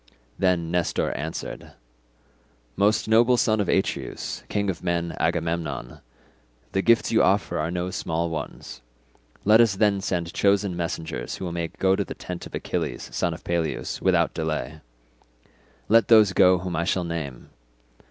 Then Nestor answered, "Most noble son of Atreus, king of men, Agamemnon. The gifts you offer are no small ones, let us then send chosen messengers, who may go to the tent of Achilles son of Peleus without delay. Let those go whom I shall name.